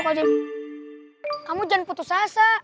kamu jangan putus asa